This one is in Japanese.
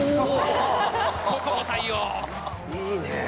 いいね。